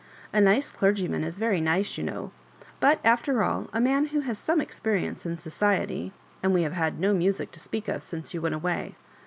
A nice clergyman is very nice, you know ; but, after all, a man who has some experience in society »and we have had no music to speak of since you went away.